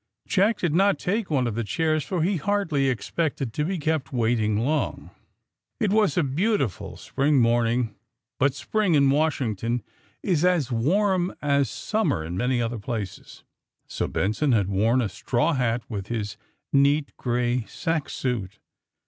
Jack did not take one of the chairs, for he hardly expected to be kept waiting long. It was a beautiful spring morning, but spring, in Washington, is as warm as summer in many other places, so Benson had worn a straw hat with his neat gray sack suit.